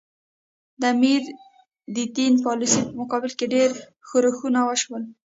د امیر د دې پالیسي په مقابل کې ډېر ښورښونه وشول.